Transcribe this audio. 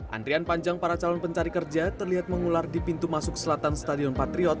antrian panjang para calon pencari kerja terlihat mengular di pintu masuk selatan stadion patriot